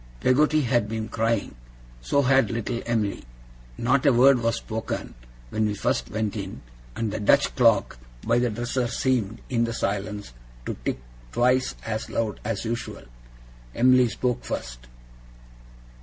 Peggotty had been crying. So had little Em'ly. Not a word was spoken when we first went in; and the Dutch clock by the dresser seemed, in the silence, to tick twice as loud as usual. Em'ly spoke first.